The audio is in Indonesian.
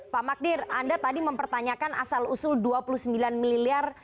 pak magdir anda tadi mempertanyakan asal usul dua puluh sembilan miliar